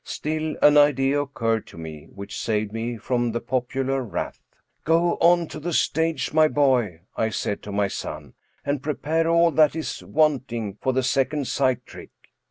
Still, an idea occurred to me, which saved me from the popular wrath. " Go on to the stage, my boy," I said to my son, *' and prepare all that is wanting for the second sight trick."